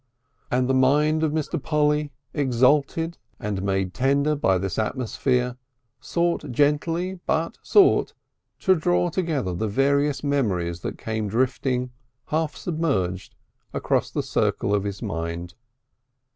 And the mind of Mr. Polly, exalted and made tender by this atmosphere, sought gently, but sought, to draw together the varied memories that came drifting, half submerged, across the circle of his mind.